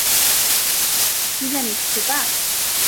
কি জানিস, খোকা?